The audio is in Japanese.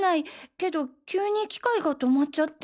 けど急に機械が止まっちゃって。